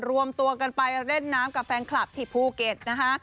รวมตัวกันไปเล่นน้ำกับแฟนคลับที่ภูเก็ตนะคะ